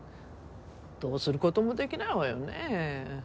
どうすることもできないわよね。